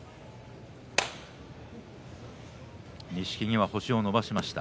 錦木は星を伸ばしました。